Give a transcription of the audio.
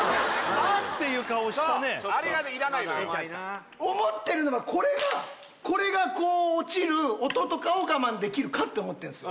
そうあれがねいらないのよ思ってるのがこれがこれがこう落ちる音とかを我慢できるかって思ってんすよ